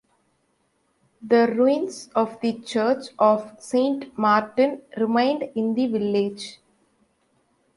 The ruins of the church of Saint Martin remain in the village.